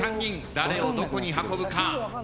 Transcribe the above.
誰をどこに運ぶか。